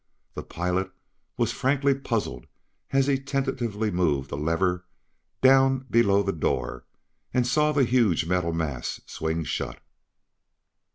The pilot was frankly puzzled as he tentatively moved a lever down below that door and saw the huge metal mass swing shut.